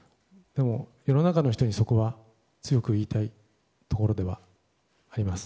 世の中の人にそこは強く言いたいところではあります。